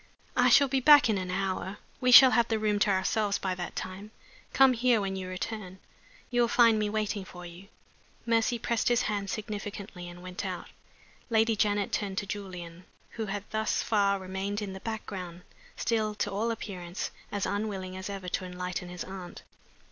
"I shall be back in an hour." "We shall have the room to ourselves by that time. Come here when you return. You will find me waiting for you." Mercy pressed his hand significantly and went out. Lady Janet turned to Julian, who had thus far remained in the background, still, to all appearance, as unwilling as ever to enlighten his aunt.